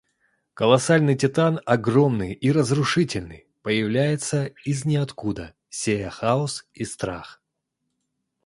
Колоссальный титан, огромный и разрушительный, появляется из ниоткуда, сея хаос и страх.